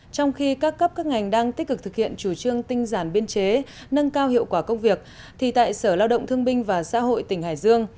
trong khi các cấp các ngành đang tích cực thực hiện chủ trương tinh giản biên chế nâng cao hiệu quả công việc thì tại sở lao động thương binh và xã hội tỉnh hải dương